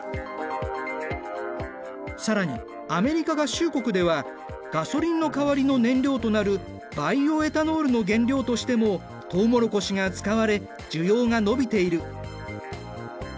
更にアメリカ合衆国ではガソリンの代わりの燃料となるバイオエタノールの原料としてもとうもろこしが使われ需要が伸びている。